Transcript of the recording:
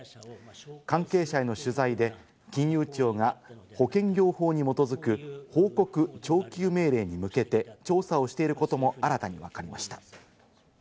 関係者への取材で金融庁が保険業法に基づく報告徴求命令に向けて調査をしていることも新たにわかりました。